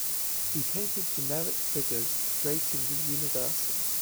He painted generic figures, creating the universal.